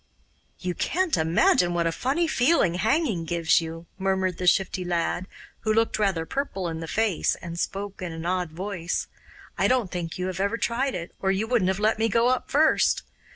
'You can't imagine what a funny feeling hanging gives you,' murmured the Shifty Lad, who looked rather purple in the face and spoke in an odd voice. 'I don't think you have every tried it, or you wouldn't have let me go up first.